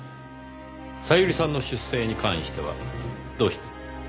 小百合さんの出生に関してはどうして？